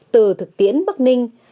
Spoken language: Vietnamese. từ thực tiễn bắc ninh